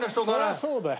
そりゃあそうだよ。